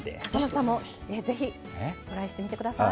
笠松さんも是非トライしてみてください。